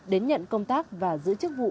đến nhận công tác và giữ chức vụ